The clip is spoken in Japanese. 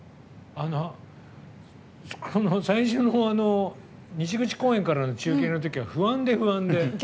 最初の西口公園からの中継の時は不安で不安で。